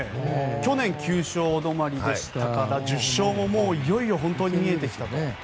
去年９勝止まりでしたから１０勝もいよいよ見えてきたと。